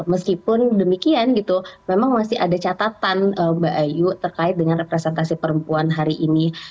meskipun demikian gitu memang masih ada catatan mbak ayu terkait dengan representasi perempuan hari ini